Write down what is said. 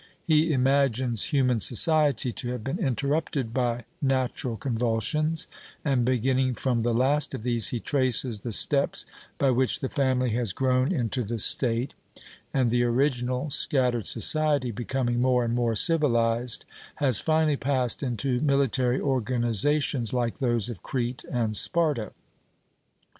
He imagines human society to have been interrupted by natural convulsions; and beginning from the last of these, he traces the steps by which the family has grown into the state, and the original scattered society, becoming more and more civilised, has finally passed into military organizations like those of Crete and Sparta.